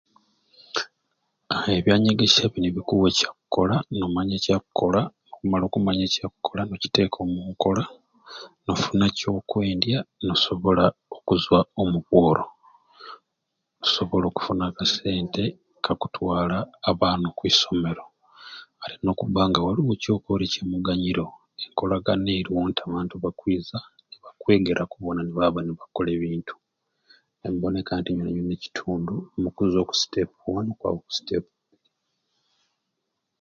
A ebyanyegesya bini bikuwa ekyakukola n'omanya ekyakukola n'omala okumanya ekyakukola n'okiteka omu nkola n'ofuna kyokwendya n'osobola okuzwa omu bworo n'osobola okufunaku aka sente akakutwala abaana okwi somero ate n'okubba nga waliwo kyokoore ekyamuganyuro enkolagana eriwo nti abantu bakwiza ne bakwegeraku boona ne baaba ne bakola ebintu ne buboneka nti nyeenanyeena mu kitundu mu kuzwa oku sitepu wanu mu kwaba oku sitepu.